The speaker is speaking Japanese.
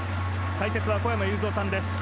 解説は小山裕三さんです。